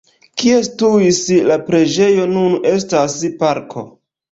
Kie situis la preĝejo nun estas parko.